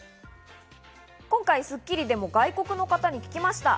今回『スッキリ』でも外国の方に聞きました。